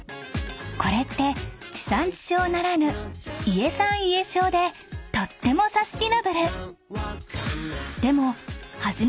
［これって地産地消ならぬ家産家消でとってもサスティナブル］